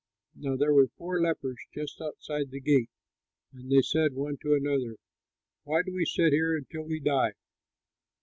Now there were four lepers just outside the gate; and they said one to another, "Why do we sit here until we die?